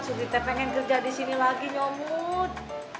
surti teh pengen kerja di sini lagi nyomot